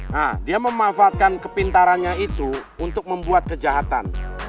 nah dia memanfaatkan kepintarannya itu untuk membuat kejahatan